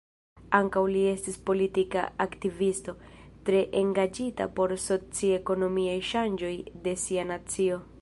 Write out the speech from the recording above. Ankaŭ li estis politika aktivisto, tre engaĝita por soci-ekonomiaj ŝanĝoj de sia nacio.